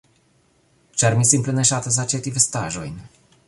ĉar mi simple ne ŝatas aĉeti vestaĵojn.